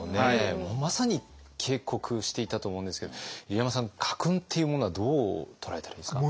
まさに警告していたと思うんですけど入山さん家訓っていうものはどう捉えたらいいですか？